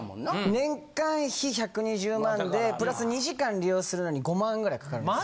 年会費１２０万でプラス２時間利用するのに５万円ぐらいかかるんです。